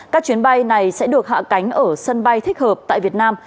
các chuyến bay này sẽ được hạ cánh ở sân bay thích hợp tại việt nam